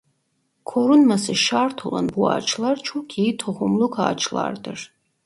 Korunması şart olan bu ağaçlar çok iyi tohumluk ağaçlardır.